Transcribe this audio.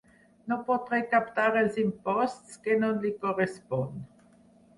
No pot recaptar els imposts que no lis correspon.